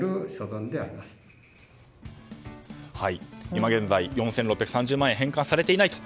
今現在、４６３０万円返還されていないと。